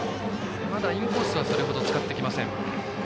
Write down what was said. まだインコースはそれほど使ってきません。